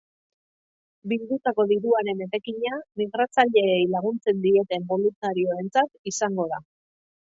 Bildutako diruaren etekina migratzaileei laguntzen dieten boluntarioentzat izango da.